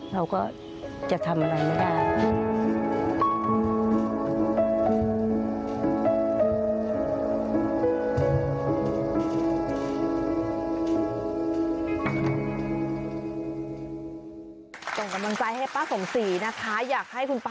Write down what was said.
เราก็จะทำอะไรไม่ได้